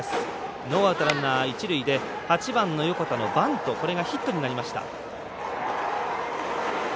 ノーアウト、ランナー、一塁で８番の横田のバント、これがヒットになりました。